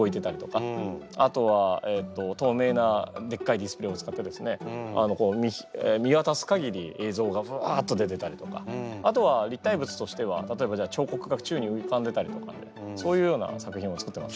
あとは透明なでっかいディスプレーを使ってですね見わたすかぎりえいぞうがブワッと出てたりとかあとは立体物としては例えばじゃあちょうこくがちゅうにうかんでたりとかそういうような作品を作ってます。